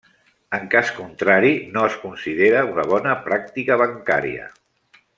En cas contrari, no es considera una bona pràctica bancària.